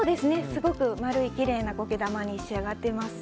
すごい丸くきれいな苔玉に仕上がっています。